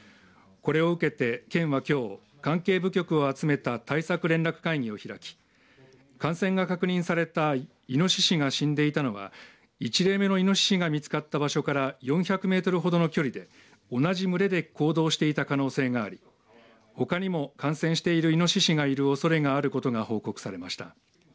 これを受けて県は、きょう関係部局を集めた対策連絡会議を開き感染が確認されたいのししが死んでいたのは１例目のいのししが見つかった場所から４００メートルほどの距離で同じ群れで行動していた可能性がありほかにも感染しているいのししがいるおそれがあることなどが報告されました。